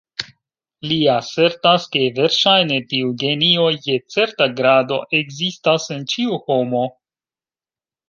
Li asertas, ke, verŝajne, tiu genio je certa grado ekzistas en ĉiu homo.